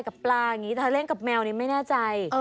กับปลาอย่างนี้ถ้าเล่นกับแมวนี่ไม่แน่ใจ